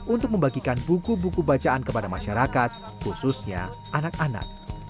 untuk membagikan buku buku bacaan kepada masyarakat khususnya anak anak